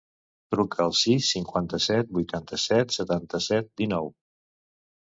Truca al sis, cinquanta-set, vuitanta-set, setanta-set, dinou.